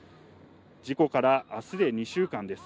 事故から明日で２週間です。